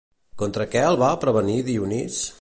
Contra què el va prevenir Dionís?